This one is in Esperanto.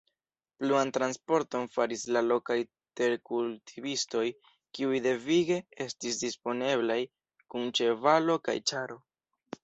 Pluan transporton faris la lokaj terkultivistoj kiuj devige estis disponeblaj kun ĉevalo kaj ĉaro.